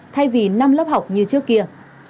thay vì năm lớp học như trước kia